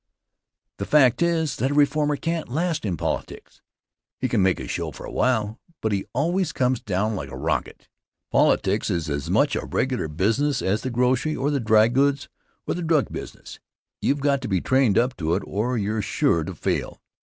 The fact is that a reformer can't last in politics. He can make a show for a while, but he always comes down like a rocket. Politics is as much a regular business as the grocery or the dry goods or the drug business. You've got to be trained up to it or you're sure to fail.